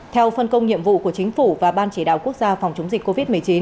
theo phân công nhiệm vụ của chính phủ và ban chỉ đạo quốc gia phòng chống dịch covid một mươi chín